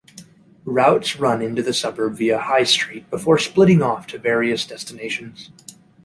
Routes run into the suburb via High Street, before splitting off to various destinations.